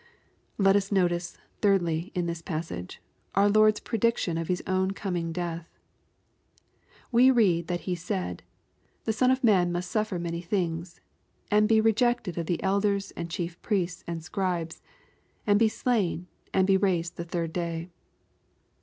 Let us notice, thirdly, in this passage, our Lord^a pre diction of His own coming death. We read that He said, "The Son of Man must suffer many things, and be rejected of the elders^ and chief priests, and scribes, and be slain^ and be raised the third day.''